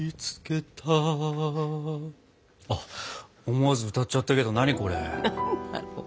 思わず歌っちゃったけど何これ？何なの。